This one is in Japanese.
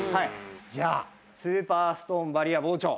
じゃあスーパーストーンバリア包丁。